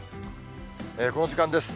この時間です。